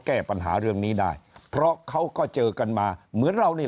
แก้ปัญหาเรื่องนี้ได้เพราะเขาก็เจอกันมาเหมือนเรานี่